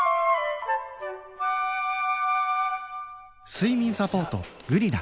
睡眠サポート「グリナ」